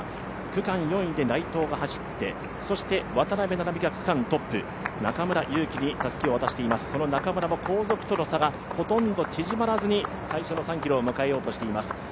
区間４位で内藤が走って、渡邊菜々美が区間トップ、中村優希にたすきを渡しています、その中村も後続との差がほとんど縮まらずに最初の３ｋｍを迎えようとしています